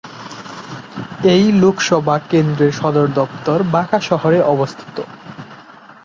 এই লোকসভা কেন্দ্রের সদর দফতর বাঁকা শহরে অবস্থিত।